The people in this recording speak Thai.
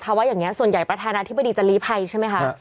ว่าอย่างนี้ส่วนใหญ่ประธานาธิบดีจะลีภัยใช่ไหมคะ